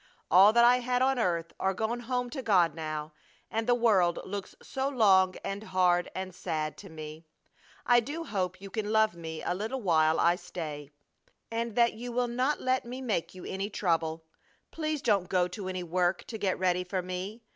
All that I had on earth are gone home to God now, and the world looks so long and hard and sad to me! I do hope you can love me a little while I stay, and that you will not let me make you any trouble. Please don't go to any work to get ready for me.